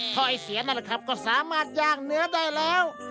ถ้อยเสียนั่นแหละครับก็สามารถย่างเนื้อได้แล้ว